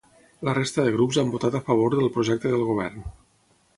La resta de grups han votat a favor del projecte del govern.